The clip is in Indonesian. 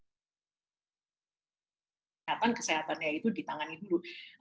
kesehatan kesehatannya itu di tangan itu dulu